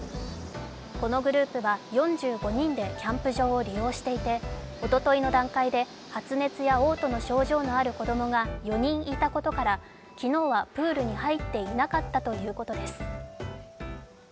このグループは４５人でキャンプ場を利用していて、おとといの段階で発熱やおう吐の症状のある子供が４人いたことから昨日はプールに入っていなかったということです。